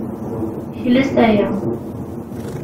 Kles aya.